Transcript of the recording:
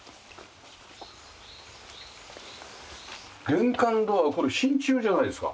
玄関ドアはこれ真鍮じゃないですか。